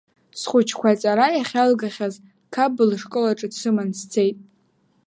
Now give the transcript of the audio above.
Схәҷқәа аҵара иахьалгахьаз Қапба лышкол аҿы дсыманы сцеит.